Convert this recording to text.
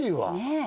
え